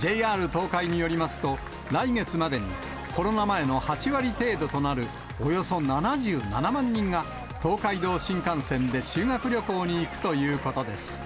ＪＲ東海によりますと、来月までにコロナ前の８割程度となるおよそ７７万人が、東海道新幹線で修学旅行に行くということです。